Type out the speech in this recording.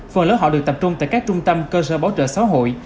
phần lớn họ được tập trung tại các trung tâm cơ sở bảo trợ xã hội